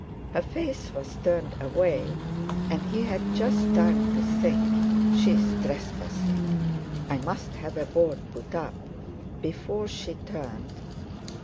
Her face was turned away, and he had just time to think: "She's trespassing—I must have a board put up!" before she turned.